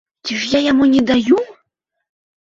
Ці ж я яму не даю?!